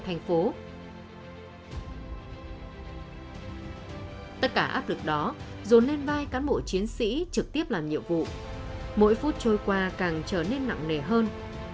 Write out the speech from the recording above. tất cả áp lực đó dồn lên vai cán bộ chiến sĩ trực tiếp làm nhiệm vụ mỗi phút trôi qua càng trở nên nặng nề hơn